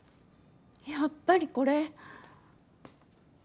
やっぱりこれ。